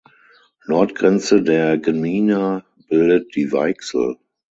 Nordgrenze der Gmina bildet die Weichsel.